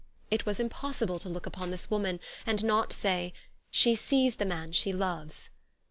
It was impossible to look upon t'lis woman, and not say, " She sees the man she loves."